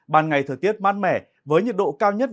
ban ngày thời tiết mát mẻ với nhiệt độ cao nhất